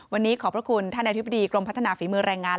วันนี้ขอบพระคุณท่านอธิบดีกรมพัฒนาฝีมือแรงงาน